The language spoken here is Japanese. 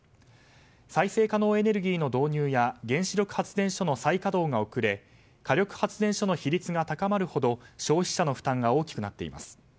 再生可能エネルギーの導入や原子力発電所の再稼働が遅れ火力発電所の比率が高まるほど消費者の負担が大きくなっています。